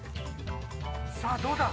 さぁどうだ？